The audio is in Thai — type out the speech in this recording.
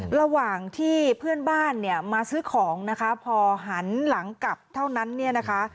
ระหว่างที่เพื่อนบ้านเนี่ยมาซื้อของนะคะพอหันหลังกลับเท่านั้นเนี่ยนะคะ